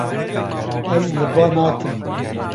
Ez li ba nakim.